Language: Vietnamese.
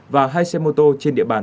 và hai xe mô tô trên địa bàn